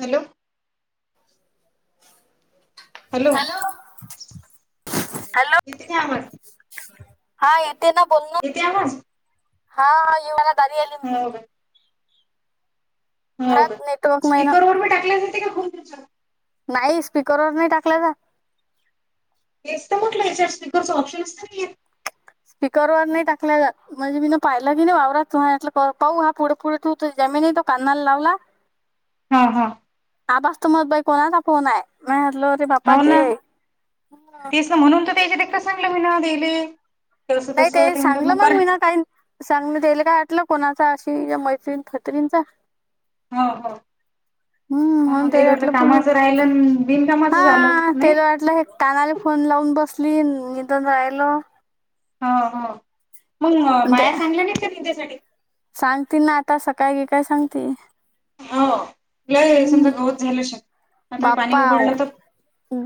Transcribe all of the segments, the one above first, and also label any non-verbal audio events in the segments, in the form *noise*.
Hello, hello, hello, *unintelligible* हा येते ना, बोल्ल येते आवाज? हा, इव *unintelligible* *unintelligible* होव घरात का, नेटवर्क नाही ना स्पीकर वर बी टाकल्या जाते का खूप दिवसात नाही, स्पीकरवर नाही टाकला जात. हेच तर म्हटलं याच्यास स्पिकरचं ऑप्शन्स नाहीयेत. स्पीकरवर नाही टाकला जात. म्हणजे मी ना पाहिलं बी नाही वावरात, तू *unintelligible* पाऊ हा पुढे पुढे तू जमी नाही तो कान्नाला लावला हं हं. आबास तो मग बाई कोणाचा फोन आहे, मी मटलो रे बाप्पा हो ते ना *unintelligible* तेच म्हणून त त्याच्यातं सांगलं मी ना देले नाही ते सांगलं मंग मी नं, काइन सांगन तेलं काय वाटलं, कोणाचा अशी या मैत्रीण फत्रींनचा हो हो. हम्म हा म्हणून त्याला तेला वाटलं, बोलू कामाचं राहिलं अन बिनकामाचं झालंच, हा नाही? त्याला वाटलं हे कानाला फोन लावून बसलीन, निदुन राहिलो. हं हं, मंग बाया सांगल्या नाहीत का निंदायसाठी? सांगते ना आता, सकाळी गी काय सांगतेऽ हा लय समजा गवत झालं शेत, आता हे पाणी उघडलं तर,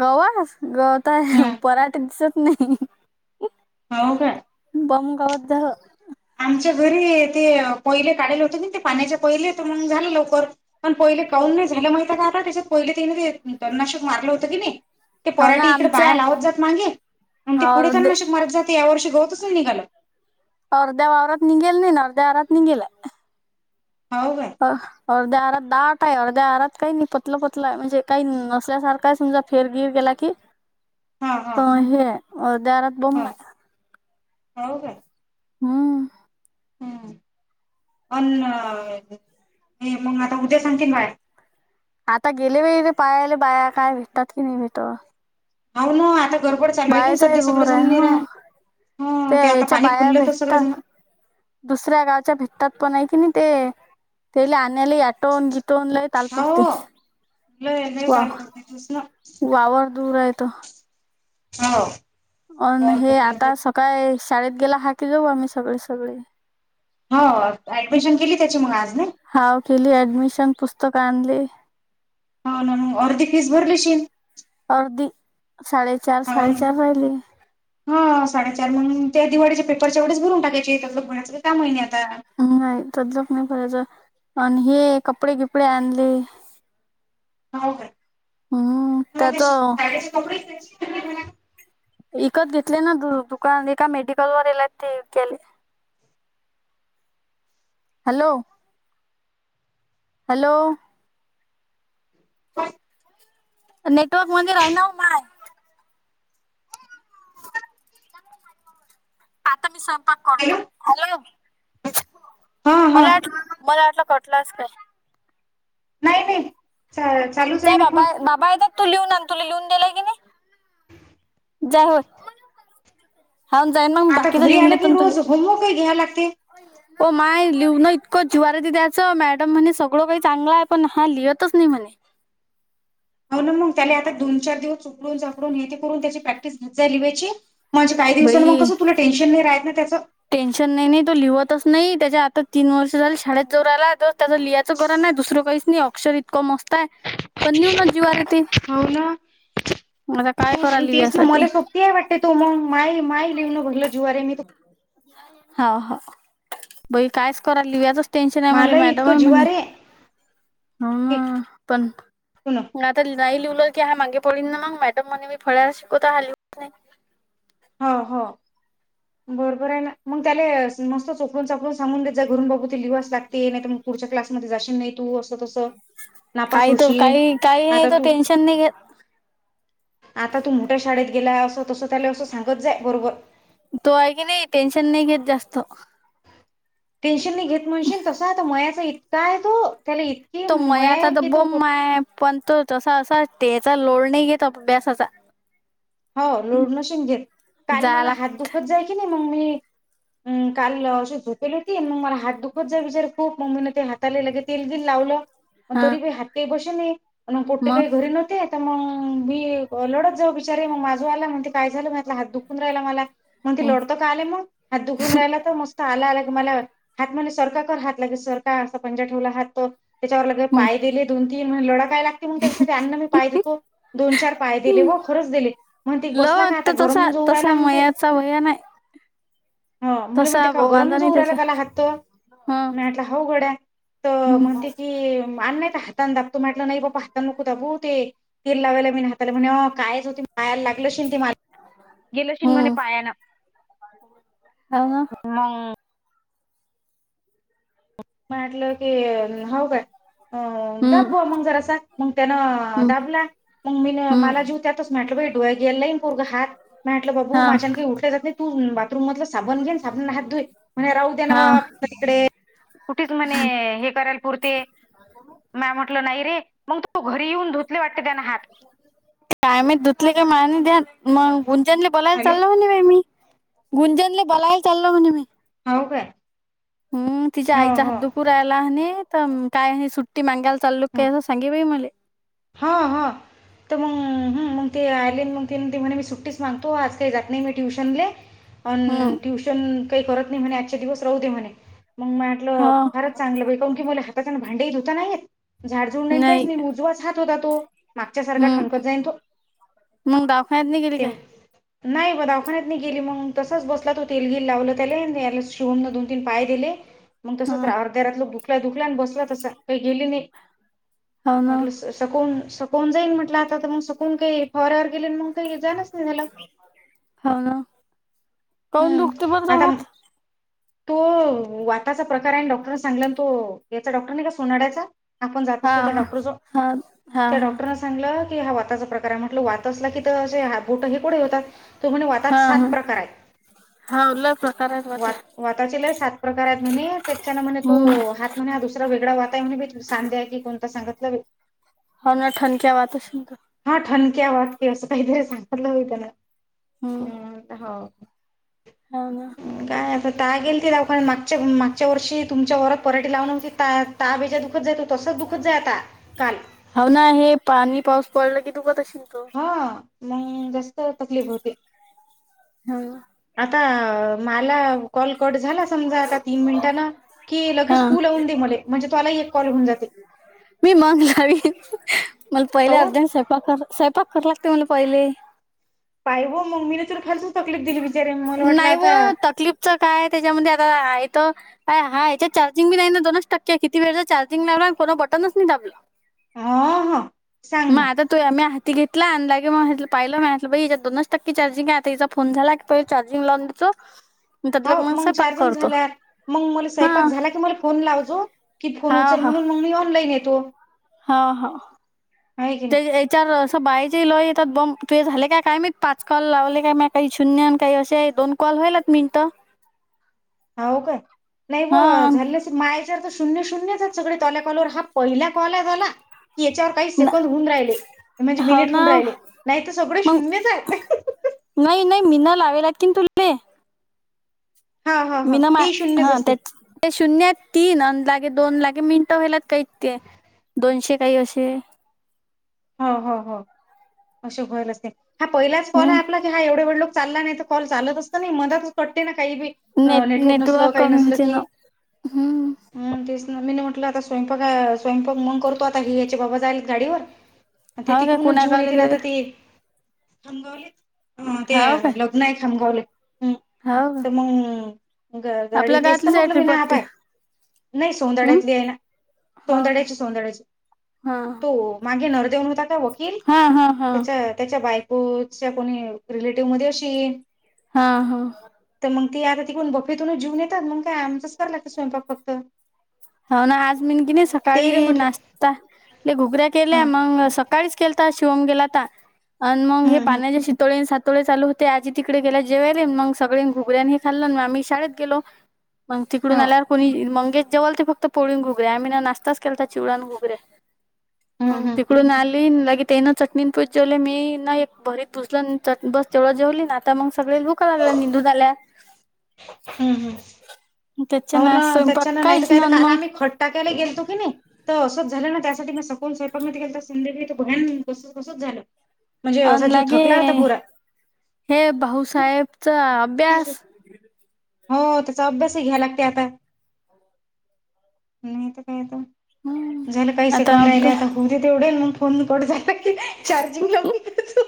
गवत, गवत आहे पराठे दिसत नाही. हाव काय. बम गवत झालं. आमच्या घरी, ते कोयले काढले होते ना ते, पाण्याच्या कोयले, तर मग झालं लवकर. पण पहिले कौन नाही झालं माहित हाय का त्याच्यात पहिले तिने ते, तनाशक मारलं होतं की नाही. ते हो ना पराठी इकडे बाया आमच्या लावत जात मागे, मग ते पुढे अर्धे तननाशक मारत जातं, या वर्ष गवतच नाही निघालं. अर्ध्या वावरात निघेल नाई, अर्ध्या वावरात निघेल आय. हो का अर्ध्या आरात दाट आहे अर्ध्या आरात काही नाही पतलं पतलंय म्हणजे काही नसल्यासारखा समजा फिरवीर गेला की *unintelligible* हा अ हे दरात बम हा आहे हो का हम्म हम्,, पण हे मग आता उद्या सांगतील बाया. आता गेले वेळी ते पायाले बाया काय भेटतात की नाही भेटत. हाव ना, आता गरबड चालू आहे की बायाचाही सध्या सगळं घोर जम आहे नै राह, हा हा, ते आता याच्या पाणी बाया खुललं तर सगळे भेटतात जणं, दुसऱ्या गावच्या भेटतात पण आहे की नाही ते त्याले आणयले अॅटोवून घे तोंड लाही हो तालपुरते लय लय वा ताल पुरते तूच ना वावर दूर आहे तो हो अन हे आता सकाळी शाळेत गेला हाकी जाऊ आम्ही सगळे सगळे हो ऍडमिशन केली त्याची मग आज नही हाव केली ऍडमिशन पुस्तक आणली हो ना अर्धी फीस भरली असीन अर्दी साडे चार साडे चार राहिले हा साडेचार म्हणून त्या दिवाळीच्या पेपरच्यावढच भरून टाकायचे त्यात महिन्याची त्या महिने आता नाही तलोक नाही बरायच आणि हे कपडे किपडे आणले हो का हम्म त्याच साड्याचे कपडेयडेला इकत घेतले ना द दुकान एका मेडिकल वरला ते गले हॅलो हॅलो *unintelligible* नेटवर्क मध्ये राहि ना माय आता मी स्वयंपाक हॅलो करतो हॅलो हा हा मला मला आटला कटला अस का नाही नाही चालूच आहे जाय ना बाबा फोन बाबा येतात तू लिहून आण तुला लिहून दिलाय की नाही जाय होय हा जाई मग बाकीचा लिहून देत न तुले होमवर्क ही घ्या लागते *unintelligible* हो माय लिहून इतकं ज्वार त द्यायचं मॅडम म्हणे सगळं काही चांगला आहे पण हा लिहतच नाही म्हणे हो ना मग त्याला आता दोन चार दिवस उकडून कडून हे ते करून त्याची प्रॅक्टिस घ जाय लि वयची म्हणजे काही दिवसांनी मग बाई कस तु टेनशन नाही राहयचं त्याच टेन्शन नाही नाही तो लिहतच नाही त्याच्या आता तीन वर्ष झाली शाळेत जाऊ राहिला तर त्यां लिहायचं गरा्ण दुसरं काही नाही अक्षर इतकं मस्त आहे *unintelligible* पण लिव्हना जीवार येते हो ना आता काय करा लिव यासाठी ते वाटते तू मग माय माय लिव न बघल जुववरे मी हा हा बई कायच करा लिव्याजच टेन्शन आहे मलाही मॅडम इतकं आहे म्हणणे जिवारे की होना पण *unintelligible* आता नाही लिवलं की हा मागे पडल ना मग मॅडम म्हणे मी फळ्याला शिकवतो हा लिहत नाही हा हो बरोबर आहे मग त्याला मस्त चोपडून चापडून सांगून देत जा घरून बाबू ती लिवास लागते नाहीग पुढच्या क्लास जाशीन नाही तू अस तस नापास काही तो होशी काही काही नाही आता तो तू टेन्शन नाही घेत आता तू मोठ्या शाळेत गेला असं तस त्याला असं सांगत जाय बरोबर तो आहे की नाही टेन्शन नाही घेत जास्त टेन्शन नाही घेत म्हणशील तसा आता मयाचा इतका आहे तो त्याला इ तो मयाचा आता तर बम् आहे पण तो तसा असा त्याचा लोड नाही घेतो अभ्यासाचा हो लोड नशून घेत काल जाय मला हात लागत दुखत जाय की नाही मग मी अ काल अशी झोपेल होती. मग मला हात दुखत जाय विचारे खूप मम्मीनं ते हातालेलं के तेल गिल लावलं. म हा तोरी प हाते बसे न आणि पोटे काही मग घरी न आता तम मी लडत जाऊ च माझं वाल म्हणत. काय झाल? म्हणल हात दुखून राहिला. मला म्हणताय चाले मग हात दुखून राहिला तर मस्त आला आला मला हात म्हले सरका कर हात लागेल सरका असा पंजा ठेवला हात तर त्याच्यावर लगे पाय दिले दोन तीन म्ह लढा काय लाग त्याच्यासाठी अन्ना मी पाय देतो, दोन चार पाय दिले ब. खरंच दिले म्हणत ल बसला का आता. तर घरून तसा जाऊ राहिला तसा म्हणते. मयाचा भया नाही हा मला म्हणते तसा का गरम वांदा जो नाही उरायला त्याचा झाला हात त हम्म मी म्हटला हो गड्या तर हम्म म्हणते की अ्नात हात ता दाबतू म्हटलं नाही बा पाहता नको दाबू ते तेल लावायला मी नाहातला म्हणे कायच होती पायाला लागलशिील ते मला गेलशील म्हणे हम्म पाया ना हो ना मंग म्हटलं की हो का. अ दाब हम्म बुआ मग जरास मग त्यानं हम्म दाबला मग मी मला हम्म जीव त्यातच म्हटलो बाई डोळ्या गिळ्या लईन पोरगं हात म म्हटलं बाबू हा माझ्या न काही उठले जात नाही तू ब बाथरूमधलं साबण घेन साबणाने हात धुय म्हणे राहू द्या ना म हा तिकडे कुठेच म्हणे हे करायला पुरते म्या म्हटलं नाही रे. मग तू घरी येऊन धुतले वाटते त्यान हात. काय माहीत दुतले काय माने द्यान मग गुंजन ना बोलायला हॅलो चाललं मी गुंजनले बलायला चाल म्हणे मी हो का हम तिच्या आईचा हात दुकू राहिला तर काय आहे सुट्टी मागायला चाल्लुक कायं सांगे बाई मला हा, हा. तर मग, मग ते आले मग ते म्हने मी सुट्टीच मागतो, आज काही जात नाही मी ट्युशनले. ह *unintelligible* पण हम्म ट्युशन काही करत नाही म्हणे. आजच्या दिवस राहते म्हणे. मग म्हटलं हा फारच चांगलं बाई की मुला हाताचाना भांडी धुता नाही येत, झाड झुड नाही काहीच नाही मुजवाच हात होता तो. मागच्या सारखा हम्म थांबत नाही जाईन तो. मग दवाखान्यात नाही गेली ते काय नाही बा दावाखान्यात नाही गेली, मग तसाच बसला तो. तेलगिल लावलं त्याला, याला शिवम दोन-तीन पाय दिले. मग हा तसच राहा अर्ध्या रात लोक दुखल्या दुखल्यान, बसला तसा काही गेली नाही हो ना म्हटल सकवून-सकवून जाईल म्हटल. आता तर मग, सकवून काही फवऱ्यावर गेले मग काही जाणच नाही झाल. हा ना, का उन हम्म दुखत बग जा आता म- हात? तो वाताचा प्रकार आहे. आणि डॉक्टरने सांगला तो याचा डॉक्टर नाही का सोनाड्याचा. आपण जात हा असतो त्या डॉक्टर जवळ. हा हा हा त्या हा डॉक्टरनच. सांगलं की हा वातचा प्रकार आहे. म्हटल वात असला कि, बोट हे कुडे होतात. तो म्हणे वातात हा सात हा प्रकार आहेत. हा लय प्रकार आहेत वाटतं वात वाताचे लई सात प्रकार आहेत म्हणे, त्याच्यान म्हणे तो हम्म हात म्हणे हा दुसरा वेगळा वात आहे म्हणे. सांध्या आहे की, कोणता सांगितलं जा बाई. हो ना. ठणक्या वात असेन तर हा ठणक्या वात की, असं काहीतरी सांगितलं होई त्यान हो. हो ना. काय आता ता गेल. ते मागच्या-मागच्या वर्षी तुमच्या वरात पराठीे लावूनग, त ताबेच्या दुखतय तो तंसच दुखत जाय आता. काल. हाव ना हे पाणी, पाऊस पडला की दुखत असतील तो. हा, मग जास्त तकलीफ होती. हा. आता मला कॉल कट झाला समजा आता तीन मिनिटांना की हा लगेच तू लावून दे मले, म्हणजे तुलाही एक कॉल होऊन जाते. मी मंग लावी, मला पहिले काऊन अर्जन स्वयपाक-स्वयपाक कला- करायला लागते मला पहिले. पाय हो मम्मीने खालस तकलीफ दिली. बिचारे मला वाटलं नाही व आता तकलीफच काय त्याच्यामध्ये आता आहे तर काय हा याच्यात चार्जिंगच नाही ना, दोनच टक्के किती वेळचा चार्जिंग लावला, आणि कोण बटनच नाही दाबलं. ह ह सांग मग आता. तो आम्ही हाती घेतला, आणि पाहिलं ना याच्यात दोनच टक्के चार्जिंग आहे आता हिचा फोन झाला की परत चार्जिंगला लावून द्यायचो. हो मग चार्जिंग झाल्यावर मग मला हा स्वयपाक झाला की मला फोन लावजो, की फोन हा उचल हा म्हणून, मग मी ऑनलाईन येतो. हा. हा. आहे की नाही *unintelligible* चार असं बाहेचे लोेतात, बंद तु झाले काय मी पाच कॉल लावले का म काही शून्यन काही असे दोन कॉल होईलत मिनटं होवो काय नाही वो हा झालेले असत माय शुन्य-शून्य सगळे पहिल्या कॉलवर, हा पहिला कॉल झाला की याच्यावर काही सेकंद होऊन राहिले, म्हणजे हो मिनिट ना होऊन राहिले, नाही तर सगळं शून्यच आहे. हहह नाही-नाही मीना लावेलात की तु हा हा हा मीना माय ते शून्यच हा असते तेच ते शून्यात तीन अ लागे दोन लागे मिनटं व्हायलात काहीत ते दोनशे काही असे. हो हो हो अशे होइल असे. हा पहिलाच कॉल आहे हम्म आपला? हा एवढे वे लोक चालला नाही तर कॉल चालत असत नाही मध्येचच कटते ना काही बी अ नेट नेटवर्क नसल, काही कमी नसल होते की ना हम्म हम्म तेच ना मीनी म्हटल आता स्वयंपाक स्वयंपाक मंग करतो आता हि याचे बाबा जाईलच गाडीवर. ते हो काय तिकडूनच जेऊन कुणाकाले येतील गेले आता ते. हां ते हो काय लग्न आहे खमगावले. हो का तर मग ग गाडी आपल्या तेच तर गावातलीच आहे म्हटल, मी ट्रिप नाही ह वाटते बाय. नाही हम्म सोंदाड्यातली आहे ना. सोंदाड्याची, सोंदड्याची. हां. मागे नवरदेव होता का वकील हा हा त्याच्या त्याच्या बायकोच्या कोणी रिलेटिव्ह मध्ये अशी हां. हां. तर मग ती आता तिकडून बफेतूनच जेऊन येतात. मग काय आमचाच कराय लागत स्वयंपाक फक्त. हो ना, आज मीनी कीनाही तेले सकाळी म्हटलं नाश्ताले घुगऱ्या केल्या हं मग स सकाळीच केलता तर शिवम गेला तर आणि मग हे हं हं पाण्याच्या शितोळेने तोळे चालू होते आजी तिकडे गेल्या जेवायले मग सगळे घुगऱ्या हे खाल्ल मग आम्ही शाळेत गेलो. मग तिकडून हो आल्यावर कोणी मंगेश जेवल ते फक्त. फक्त पोळी न घुकऱ्या आम्ही ना नाश्ताच केलता चिवडा, घुगरे. हं मग हं तिकडून आली लगेच त्यांनी चटणीं पोळी जेवले. मी ना एक भरीत भुसल चट बस तेवढ जेवली ना, आता मग सगळे भुका लागल्या हिंदून आल्या. हम्म, हम्म. त्याच्या हो ना स्वयंपाक त्याच्यान नाही काहीच तर ना काल मग आम्ही खट टाकायला गेलतो की नाही. तर असच झालं ना त्यासाठी मी सकोल स्वयंपाक केलता. तर संध्याकाळी भयान तसच झाल. अन लगे हे भाऊसाहेबचा अभ्यास हो त्याचा अभ्यासही घ्यायला लागते आता. हम्म झाल काही सेकंद राहिले अभ्या आता होऊन तेवढे मग फोन कट झाले की चार्जिंग लावून देतो.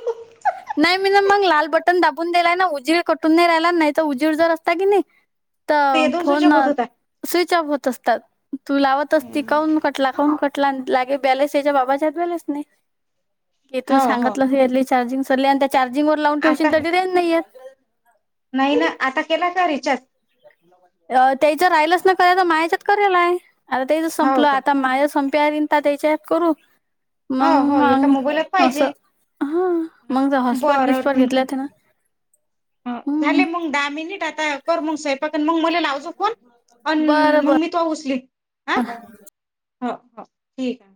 नाही, मी ना मग लाल बटन दाबून दिलाय ना उजीर कटून नाही राहिला नाही तर उजीर जर असता की नाही. *inaudible* तर दोन स्विच फोन ऑफ होत होता. स्विच ऑफ होत असतात. तू लावत असती काऊन कटला काऊन कटला लागे बैलेंस याच्या बाबाच्यात बैलेंसच नाही. ये तु हो हो सांगतल यातली चार्जिंग सरली आणि त्या चार्जिंग वर लावून आता ठेवशील तरी रेंज नाही येत. नाही ना आता केला का रिचार्ज? अ त्याच्या राहिलच ना करायच तर माया याच्यात केलेलाय आता तेच हो संपल का आता माझ्या संप प्यारीता त्याच्याप करू हो मंग हो एका मंग मोबाईलात अस. पाहिजे हां हं, मग हॉटस्पॉट बरं बिटस्पॉट हं, घेतले ते ना. झाले हम्म मग दहा मिनिट आता कर मग स्वयंपाकन मग मला लाव तु फोन. अं बरं बर मग मी तो उचलील हो हो हो ठीक आहे.